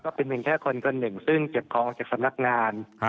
ก็เป็นแค่คนกันหนึ่งซึ่งเก็บของจากสำนักงาน